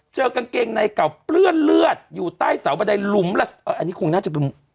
กางเกงในเก่าเปื้อนเลือดอยู่ใต้เสาบันไดหลุมอันนี้คงน่าจะเป็น